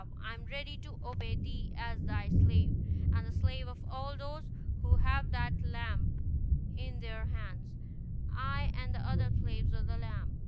I am ready to obey thee as thy slave, and the slave of all those who have that lamp in their hands; I and the other slaves of the lamp."